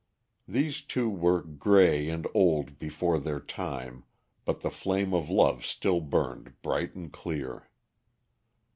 These two were gray and old before their time, but the flame of love still burned bright and clear.